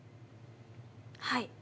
はい。